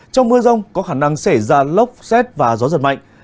trong mưa rông có khả năng xảy ra lốc xét và gió giật mạnh